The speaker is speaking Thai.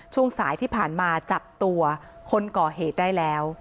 ช่วงสายที่ผ่านมาจับตัวคนก่อเหตุได้แล้ว